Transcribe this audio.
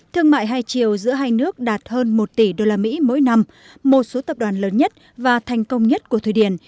thương mại hai chiều giữa hai nước đạt hơn một tỷ usd mỗi năm một số tập đoàn lớn nhất và thành công nhất của thụy điển